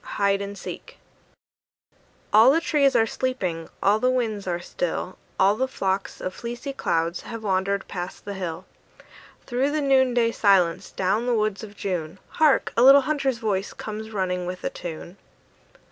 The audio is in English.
HIDE AND SEEK All the trees are sleeping, all the winds are still, All the flocks of fleecy clouds have wandered past the hill; Through the noonday silence, down the woods of June, Hark! a little hunter's voice comes running with a tune.